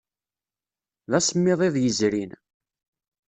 D asemmiḍ iḍ yezrin.